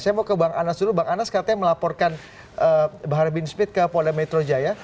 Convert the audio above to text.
saya mau ke bang anas dulu bang anas katanya melaporkan bahar bin smith ke polda metro jaya